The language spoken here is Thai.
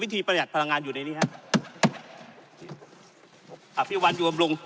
วิธีประหยัดพลังงานอยู่ในนี้ฮะอ่ะพี่วันอยู่อำรุง